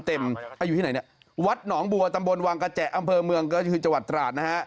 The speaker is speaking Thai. อยู่ที่ไหนเนี่ยวัดหนองบัวตำบลวังกระแจอำเภอเมืองก็คือจังหวัดตราดนะฮะ